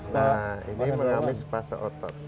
nah ini mengamis pasca otot